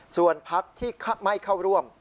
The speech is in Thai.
ส่วนพักที่ไม่เข้าร่วม